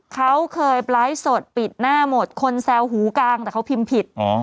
เขาเคยไลฟ์สดปิดหน้าหมดคนแซวหูกางแต่เขาพิมพ์ผิด